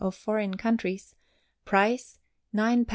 of Foreign Countries. Price £9 5s.